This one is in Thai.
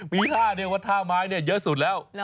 ปี๕วัดท่าไม้เยอะสุดแล้ว